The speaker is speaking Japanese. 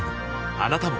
あなたも